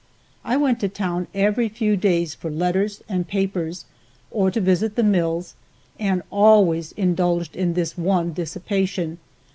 I went to town every few days for letters and papers, or to visit the mills, and always indulged in this one dissipation.